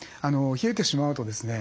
冷えてしまうとですね